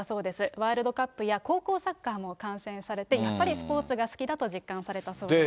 ワールドカップや高校サッカーも観戦されて、やっぱりスポーツが好きだと実感されたそうです。